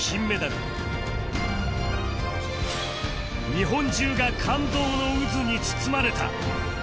日本中が感動の渦に包まれた